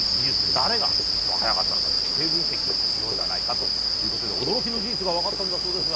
誰が一番速かったのか徹底分析しようじゃないかということで驚きの事実が分かったんだそうですが。